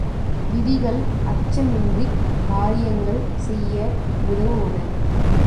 விதிகள் அச்சமின்றிக் காரியங்கள் செய்ய உதவுவன.